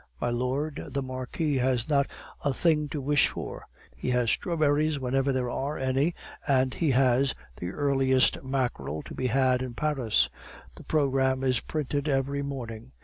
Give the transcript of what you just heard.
My Lord the Marquis has not a thing to wish for. He has strawberries whenever there are any, and he has the earliest mackerel to be had in Paris. The programme is printed every morning.